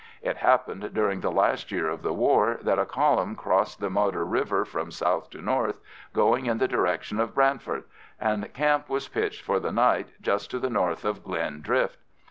It happened during the last year of the war that a column crossed the Modder River from south to north, going in the direction of Brandfort, and camp was pitched for the night just to the north of the Glen Drift.